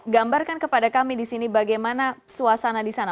gambarkan kepada kami di sini bagaimana suasana di sana